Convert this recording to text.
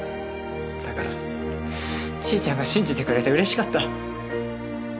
だからちーちゃんが信じてくれてうれしかった。